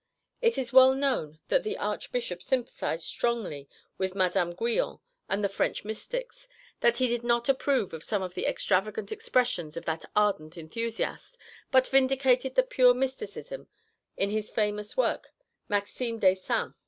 It is well known that the Archbishop sympathised strongly with Madame Guyon and the French mystics, that he did not approve of some of the extravagant expressions of that ardent enthusiast, but vindicated the pure mysticism in his famous work Maximes des Saints.